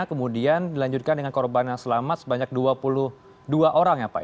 kemudian dilanjutkan dengan korban yang selamat sebanyak dua puluh dua orang ya pak